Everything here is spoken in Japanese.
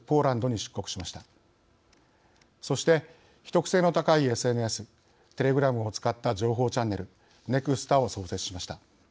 そして秘匿性の高いＳＮＳテレグラムを使った情報チャンネルＮＥＸＴＡを創設しました。